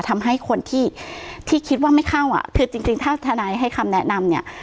ทำให้คนที่ที่คิดว่าไม่เข้าอ่ะคือจริงถ้าทนายให้คำแนะนำเนี่ย